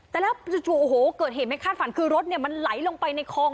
แต่แล้วจู่โอ้โหเกิดเหตุไม่คาดฝันคือรถมันไหลลงไปในคลอง